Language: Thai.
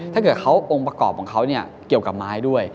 ถ้าเขาองค์ประกอบของเขาเกี่ยวกับไม้ด้วย